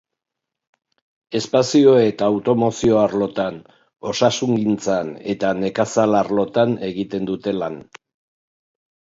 Espazio eta automozio arlotan, osasungintzan eta nekazal arlotan egiten dute lan.